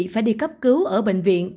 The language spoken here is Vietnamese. phải đi cấp cứu ở bệnh viện